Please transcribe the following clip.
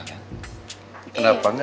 tidak ada yang bisa